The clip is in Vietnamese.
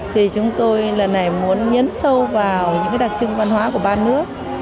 thì chúng tôi lần này muốn nhấn sâu vào những đặc trưng văn hóa của ba nước